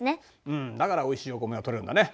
うんだからおいしいお米が取れるんだね。